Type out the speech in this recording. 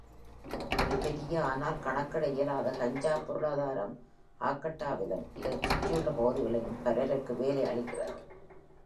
ஒரு பெரிய, ஆனால் கணக்கிட இயலாத கஞ்சா பொருளாதாரம், ஆர்கட்டாவிலும் அதைச் சுற்றியுள்ள பகுதிகளிலும் பலருக்கு வேலை அளிக்கிறது.